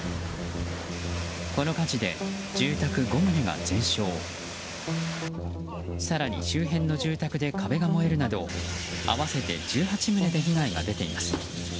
この火事で住宅５棟が全焼更に周辺の住宅で壁が燃えるなど合わせて１８棟で被害が出ています。